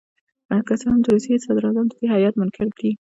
که څه هم د روسیې صدراعظم د دې هیات منکر دي.